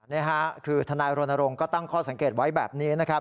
นี่คือทนายโรนโรงก็ตั้งข้อสังเกตไว้แบบนี้